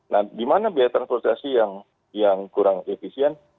nah di mana biaya transportasi yang kurang efisien